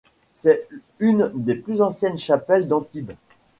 C'est une des plus anciennes chapelles d'Antibes.